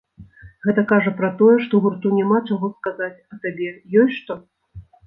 Гэта кажа пра тое, што гурту няма чаго сказаць, а табе ёсць што?